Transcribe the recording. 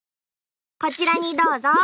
こちらにどうぞ。